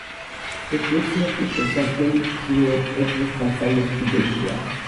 ეკლესიაში შესასვლელი ჩრდილოეთ კედლის დასავლეთ კიდეშია.